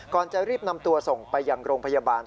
ก่อนจะรีบนำตัวส่งไปยังโรงพยาบาล